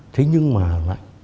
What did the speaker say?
thế nhưng mà